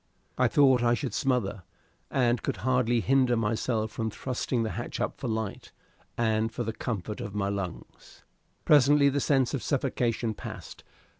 I thought I should smother, and could hardly hinder myself from thrusting the hatch up for light, and for the comfort of my lungs. Presently the sense of suffocation passed.